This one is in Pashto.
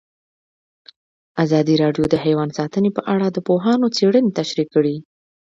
ازادي راډیو د حیوان ساتنه په اړه د پوهانو څېړنې تشریح کړې.